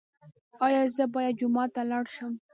ایا زه باید جومات ته لاړ شم؟